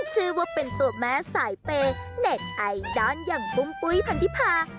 ชื่อว่าเป็นตัวแม่สายเปย์เน็ตไอดอลอย่างปุ้มปุ้ยพันธิพา